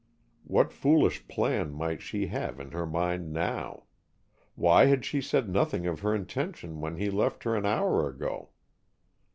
What foolish plan might she have in her mind now? Why had she said nothing of her intention when he left her an hour ago?